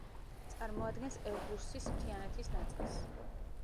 წარმოადგენს ელბურსის მთიანეთის ნაწილს.